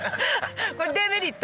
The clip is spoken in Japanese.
これデメリット